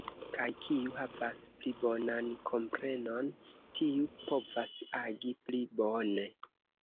Kaj kiu havas pli bonan komprenon, tiu povas agi pli bone.